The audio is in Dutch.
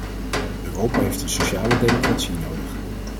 Europa heeft een sociale democratie nodig.